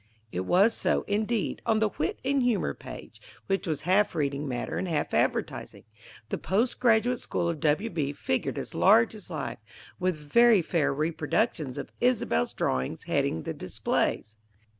It was so, indeed. On the "Wit and Humor" page, which was half reading matter and half advertising, the Post Graduate School of W. B. figured as large as life, with very fair reproductions of Isobel's drawings heading the displays.